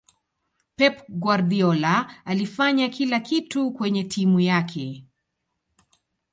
pep guardiola alifanya kila kitu kwenye timu yake